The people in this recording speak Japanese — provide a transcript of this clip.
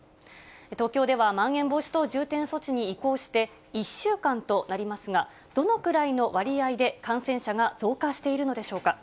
東京ではまん延防止等重点措置に移行して１週間となりますが、どのくらいの割合で感染者が増加しているのでしょうか。